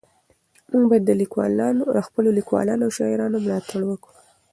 موږ باید د خپلو لیکوالانو او شاعرانو ملاتړ وکړو.